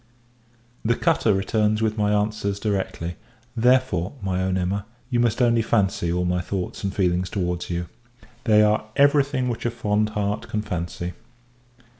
The cutter returns with my answers directly; therefore, my own Emma, you must only fancy all my thoughts and feelings towards you. They are every thing which a fond heart can fancy.